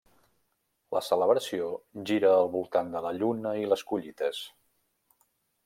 La celebració gira al voltant de la Lluna i les collites.